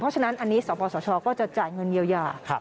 เพราะฉะนั้นอันนี้สปสชก็จะจ่ายเงินเยียวยา